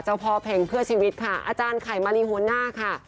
เจ้าพ่อเพลงเพื่อชีวิตค่ะอาจารย์ไข่มารีหัวหน้าค่ะ